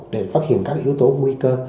để phát hiện các yếu tố nguy cơ